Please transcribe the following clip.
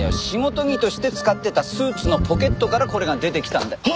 仕事着として使ってたスーツのポケットからこれが出てきたんだ。